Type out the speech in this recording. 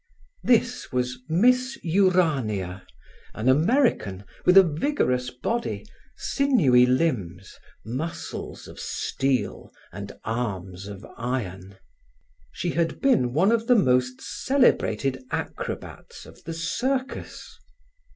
This was Miss Urania, an American, with a vigorous body, sinewy limbs, muscles of steel and arms of iron. She had been one of the most celebrated acrobats of the Circus.